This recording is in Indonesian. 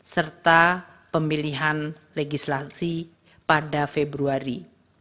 serta pemilihan legislasi pada februari